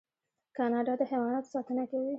کاناډا د حیواناتو ساتنه کوي.